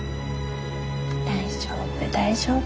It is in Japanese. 大丈夫大丈夫。